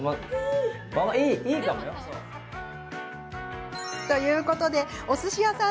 いいかもよ。ということでおすし屋さん